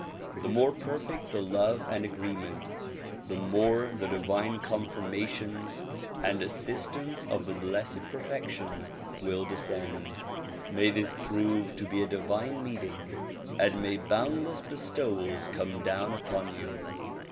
The more perfect the love and agreement, the more the divine con firmations and assistance of the Blessed Perfection will descend. May this prove to be a divine meeting and may boundless bestowals come down upon you.